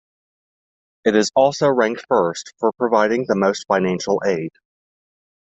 It is also ranked first for providing the most financial aid.